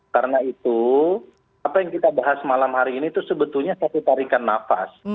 karena itu apa yang kita bahas malam hari ini itu sebetulnya satu tarikan nafas